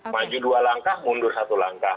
maju dua langkah mundur satu langkah